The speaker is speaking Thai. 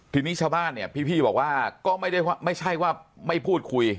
ทีนี้ชาวบ้านเนี้ยพี่พี่บอกว่าก็ไม่ได้ว่าไม่ใช่ว่าไม่พูดคุย